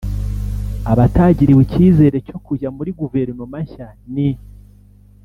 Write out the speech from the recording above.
Abatagiriwe icyizere cyo kujya muri Guverinoma nshya ni